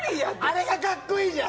あれが格好いいじゃん。